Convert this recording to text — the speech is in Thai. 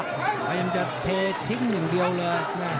พยายามจะเททิ้งอย่างเดียวเลย